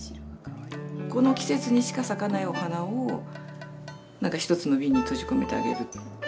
この季節にしか咲かないお花を何か一つのビンに閉じ込めてあげる。